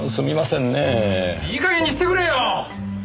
いい加減にしてくれよ！